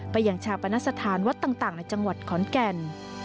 ไปยังชาบปรณสถานวัดต่ำต่างในจังหวัดขอนแก่น